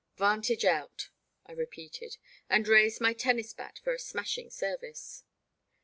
Vantage out," I repeated, and raised my ten nis bat for a smashing service.